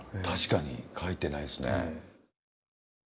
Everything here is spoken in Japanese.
確かに描いてないですね。